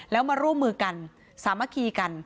แล้วมาร่วมมือกันสามัคคีกัน